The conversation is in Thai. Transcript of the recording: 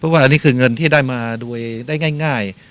เพราะว่าอันนี้คือเงินที่ได้มาด้วยได้ง่ายง่าย